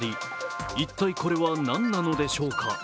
一体これは何なのでしょうか。